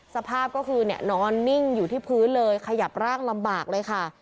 สภาพก็คือนอนนิ่งอยู่ที่พื้นเลยขยับร่างลำบากเลยค่ะ